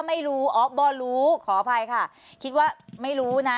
ไม่รู้ออขออภัยค่ะคิดว่าไม่รู้นะ